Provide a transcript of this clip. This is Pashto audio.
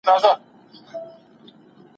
ښوونکي د زده کوونکو لپاره اسانتیاوې برابروي.